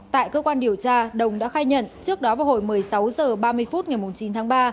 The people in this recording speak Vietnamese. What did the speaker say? tại cơ quan điều tra đồng đã khai nhận trước đó vào hồi một mươi sáu h ba mươi phút ngày chín tháng ba